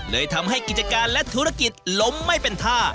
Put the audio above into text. เลยทำให้กิจการและธุรกิจล้มไม่เป็นท่า